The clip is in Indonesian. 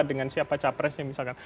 dengan siapa capresnya misalkan